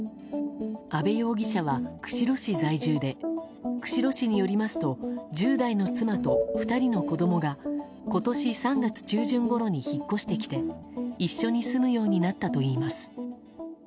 阿部容疑者は釧路市在住で釧路市によりますと１０代の妻と２人の子供が今年３月中旬ごろに引っ越してきて一緒に住むようになったといいます。